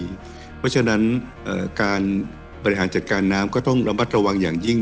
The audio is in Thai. เพราะฉะนั้นการบริหารจัดการน้ำก็ต้องระมัดระวังอย่างยิ่ง